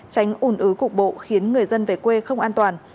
tránh ủn ứ cục bộ khiến người dân về quê không an toàn